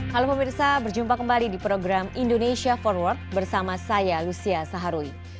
halo pemirsa berjumpa kembali di program indonesia forward bersama saya lucia saharuy